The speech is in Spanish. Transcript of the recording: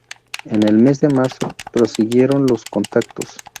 En el mes de marzo prosiguieron los contactos.